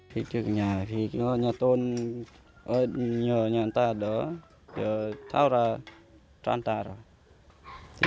khi trước nhà thì có nhà tôn ở nhà người ta đó giờ tháo ra cho người ta rồi